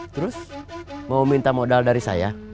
terus mau minta modal dari saya